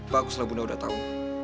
baguslah bunda udah tau